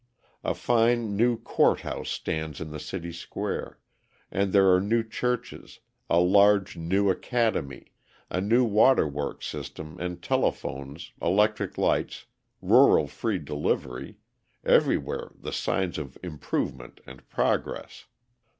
A fine, new court house stands in the city square, and there are new churches, a large, new academy, a new water works system and telephones, electric lights, rural free delivery everywhere the signs of improvement and progress.